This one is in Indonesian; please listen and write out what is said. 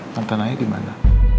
mantan naya dimana